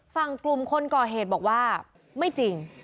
กลุ่มคนก่อเหตุบอกว่าไม่จริง